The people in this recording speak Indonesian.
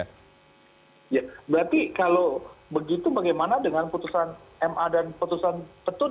ya berarti kalau begitu bagaimana dengan putusan ma dan putusan petun